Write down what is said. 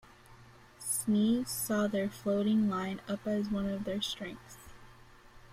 Sneeze saw their floating line-up as one of their strengths.